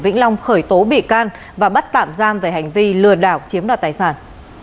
vĩnh long khởi tố bị can và bắt tạm giam về hành vi lừa đảo chiếm đoạt tài sản